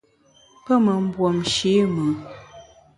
Pe me mbuomshe i mùn.